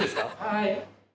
はい。